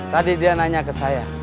tadi dia nanya ke saya